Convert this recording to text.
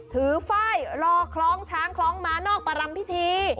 ถือไฟล่อคล้องช้างคล้องม้านอกปรัมพิธี